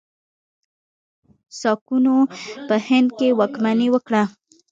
ساکانو په هند کې واکمني وکړه.